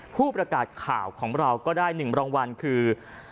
ผู้ประกาศข่าวของเราก็ได้๑รางวัลคือ